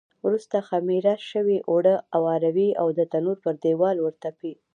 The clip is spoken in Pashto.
وروسته خمېره شوي اوړه اواروي او د تنور پر دېوال ورتپي.